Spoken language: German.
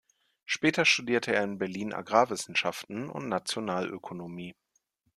Später studierte er in Berlin Agrarwissenschaften und Nationalökonomie.